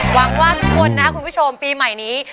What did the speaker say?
หวังว่าทุกคนนะครับคุณผู้ชมปีใหม่นี้